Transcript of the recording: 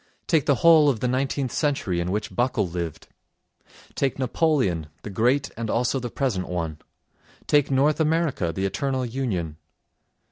Take the whole of the nineteenth century in which Buckle lived. Take Napoleon—the Great and also the present one. Take North America—the eternal union.